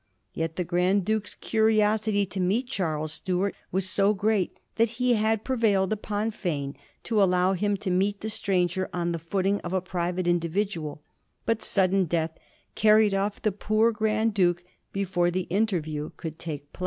Yet the Grand Duke's curiosity to meet Charles Stuart was so great that he had prevailed upon Fane to allow him to meet the stranger on the foot ing of a private individual ; but sudden death carried off the poor Grand Duke before the interview could take place.